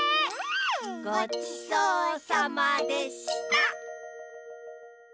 ごちそうさまでした！